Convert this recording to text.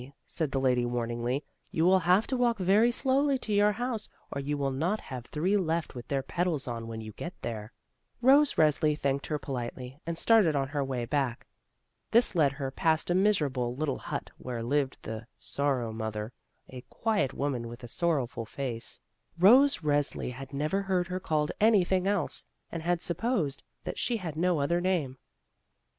said the lady warningly, "you will have to walk very slowly to your house, or you will not have three left with their petals on when you get there." Rose Resli thanked her politely and started on her way back. This led her past a miserable little hut where lived the "Sorrow mother," a quiet woman with a sorrowful face. Rose Resli had never heard her called anything else, and supposed that she had no other name.